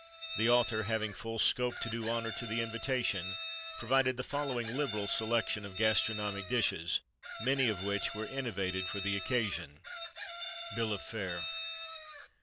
The author, having full scope to do honour to the invitation, provided the following liberal selection of gastronomic dishes, many of which were innovated for the occasion: BILL OF FARE.